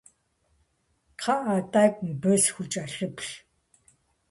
КхъыӀэ, тӀэкӀу мыбы схукӀэлъыплъ.